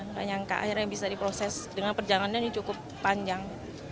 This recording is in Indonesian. tidak nyangka akhirnya bisa diproses dengan perjalanannya ini cukup panjang